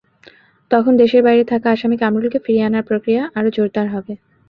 তখন দেশের বাইরে থাকা আসামি কামরুলকে ফিরিয়ে আনার প্রক্রিয়া আরও জোরদার হবে।